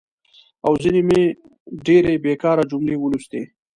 او ځینې مې ډېرې بېکاره جملې ولوستي.